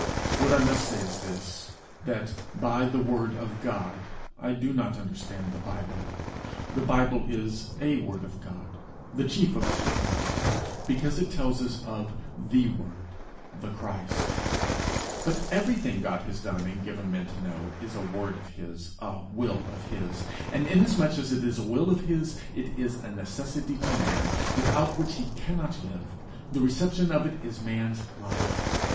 What I must say is this: that, by the Word of God, I do not understand The Bible. The Bible is a Word of God, the chief of his written words, because it tells us of The Word, the Christ; but everything God has done and given man to know is a word of his, a will of his; and inasmuch as it is a will of his, it is a necessity to man, without which he cannot live: the reception of it is man's life.